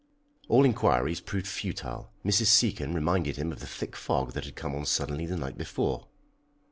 All enquiries proved futile. Mrs. Seacon reminded him of the thick fog that had come on suddenly the night before.